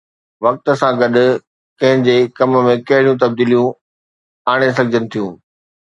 وقت سان گڏ ڪنهن جي ڪم ۾ ڪهڙيون تبديليون آڻي سگهجن ٿيون